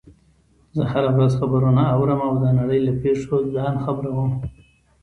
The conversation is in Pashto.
زه هره ورځ خبرونه اورم او د نړۍ له پیښو ځان خبر وم